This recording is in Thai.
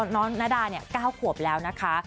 น้องนาดาน่ะเก้าขวบแล้วนะคะ